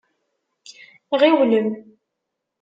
Ɣiwlem!